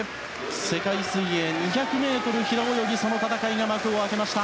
世界水泳２００ｍ平泳ぎその戦いが幕を開けました。